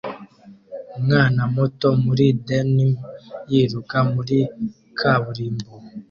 Umwana muto muri denim yiruka muri kaburimbo